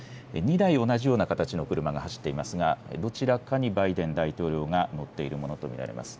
２台同じような形の車が走っていますが、どちらかにバイデン大統領が乗っているものと見られます。